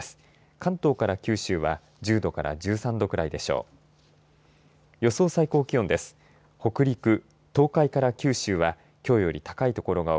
関東から九州は１０度から１３度ぐらいでしょう。